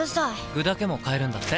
具だけも買えるんだって。